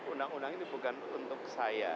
undang undang ini bukan untuk saya